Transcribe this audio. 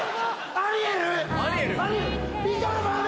アリエル？